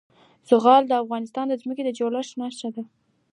زغال د افغانستان د ځمکې د جوړښت نښه ده.